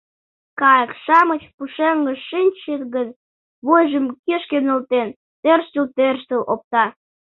Кайык-шамыч пушеҥгыш шинчыт гын, вуйжым кӱшкӧ нӧлтен, тӧрштыл-тӧрштыл опта.